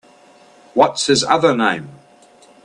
What’s his other name?